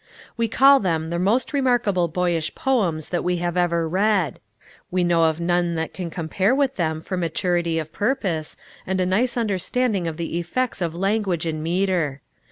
We call them the most remarkable boyish poems that we have ever read. We know of none that can compare with them for maturity of purpose, and a nice understanding of the effects of language and metre.